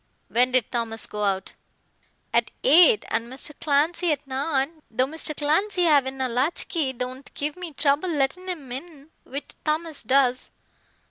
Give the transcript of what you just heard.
"When did Thomas go out?" "At eight, and Mr. Clancy at nine, though Mr. Clancy havin' a latch key, don't give me trouble lettin' him in which Thomas does."